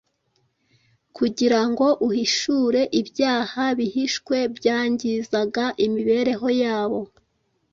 kugira ngo uhishure ibyaha bihishwe byangizaga imibereho yabo.